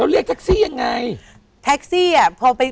เรียกไทคซี่ยังไง